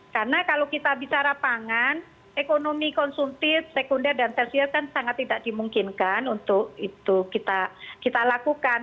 karena kalau kita bicara pangan ekonomi konsumtif sekunder dan tersier kan sangat tidak dimungkinkan untuk itu kita lakukan